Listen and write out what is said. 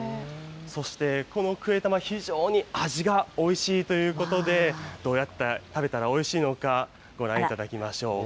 そして、このクエタマ、非常に味がおいしいということで、どうやって食べたらおいしいのか、ご覧いただきましょう。